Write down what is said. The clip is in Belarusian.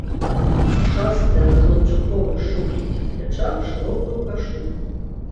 Шастае на хлапчуковых шчупленькіх плячах шырокую кашулю.